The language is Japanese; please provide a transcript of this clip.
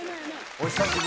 お久しぶりで。